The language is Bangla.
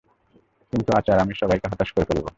কিন্তু আচার, আমি সবাইকে হতাশ করে ফেলব।